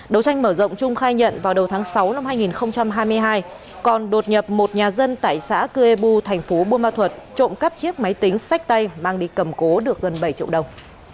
đấu tranh mở rộng trung khai nhận vào đầu tháng sáu năm hai nghìn hai mươi hai còn đột nhập một nhà dân tại xã cư ê bu thành phố bô ma thuật trộm cắp chiếc máy tính sách tay mang đi cầm cố được gần bảy triệu đồng